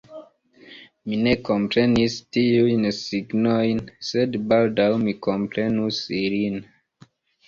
Mi ne komprenis tiujn signojn, sed baldaŭ mi komprenus ilin.